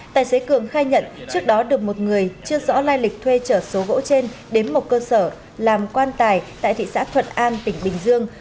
tài xế cường khai nhận trước đó được một người chưa rõ lai lịch thuê trở số gỗ trên đến một cơ sở làm quan tài tại thị xã thuận an tỉnh bình dương